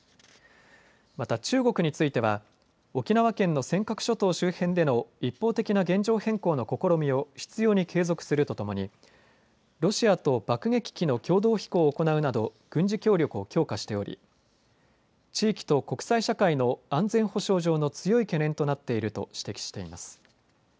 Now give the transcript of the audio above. また、中国については沖縄県の尖閣諸島周辺での一方的な現状変更の試みを執ように継続するとともにロシアと爆撃機の共同飛行を行うなど軍事協力を強化しており地域と国際社会の安全保障上の強い懸念となっていると指摘しています。